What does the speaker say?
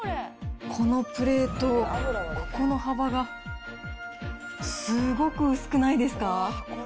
このプレート、この幅がすごく薄くないですか？